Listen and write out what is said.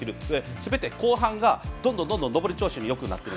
すべて後半がどんどん上り調子によくなってる。